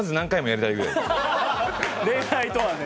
「恋愛とは」ね。